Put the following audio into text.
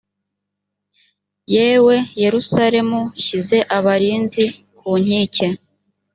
yewe yerusalemu nshyize abarinzi ku nkike